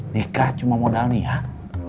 nikah cuma modal niat